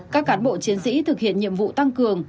các cán bộ chiến sĩ thực hiện nhiệm vụ tăng cường